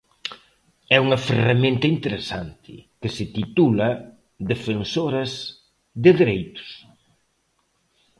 É unha ferramenta interesante, que se titula Defensoras de Dereitos.